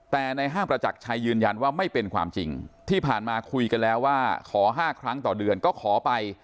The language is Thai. แต่ในห้างประจักรชัยยืนยันว่าไม่เป็นความจริงที่ผ่านมาคุยกันแล้วว่าขอ๕ครั้งต่อเดือนก็ขอไป